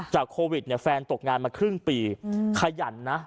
จากโควิดแฟนตกงานมาครึ่งปีขยันนะ